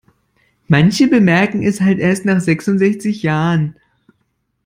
Manche bemerken es halt erst nach sechsundsechzig Jahren.